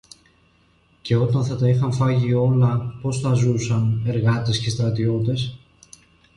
Και όταν θα τα είχαν φάγει όλα, πώς θα ζούσαν, εργάτες και στρατιώτες;